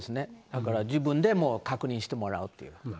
だから自分でもう確認してもらうという。